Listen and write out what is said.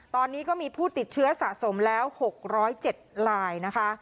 ตอนนี้ก็มีผู้ติดเชื้อสะสมแล้ว๖๐๗ลายนะคะ